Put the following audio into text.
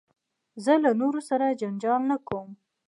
زه له نورو سره جنجال نه کوم.